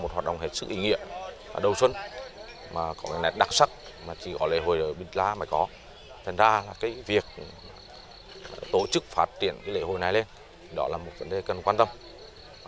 thật ra việc tổ chức phát triển lễ hội này lên đó là một vấn đề cần quan tâm